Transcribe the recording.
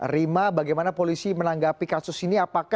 rima bagaimana polisi menanggapi kasus ini